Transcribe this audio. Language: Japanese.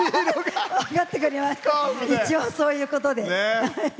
一応、そういうことで。